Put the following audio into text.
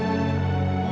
gak ada apa apa